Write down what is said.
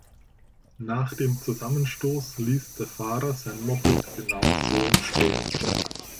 Nach dem Zusammenstoß ließ der Fahrer sein Moped genau so stehen.